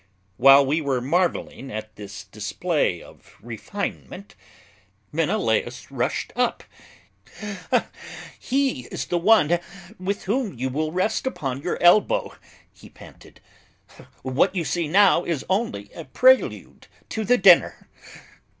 While we were marveling at this display of refinement, Menelaus rushed up, "He is the one with whom you will rest upon your elbow," he panted, "what you see now, is only a prelude to the dinner."